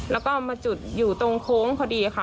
แล้วก็มาจุดอยู่ตรงโค้งพอดีค่ะ